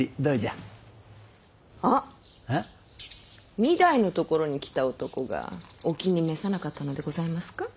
御台のところに来た男がお気に召さなかったのでございますか？